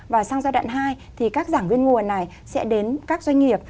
và sang giai đoạn hai thì các giảng viên nguồn này sẽ đến các doanh nghiệp